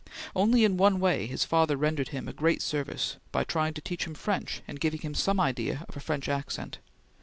Only in one way his father rendered him a great service by trying to teach him French and giving him some idea of a French accent.